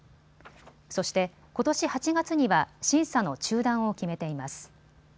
そして、ことし８月には審査の中断を決めています。